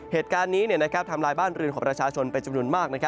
เหตุการณ์นี้ทำลายบ้านเรือนของประชาชนเป็นจำนวนมาก